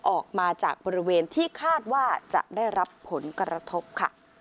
ออกมาจากบริเวณที่คาดว่าจะได้รับผลกระทบค่ะ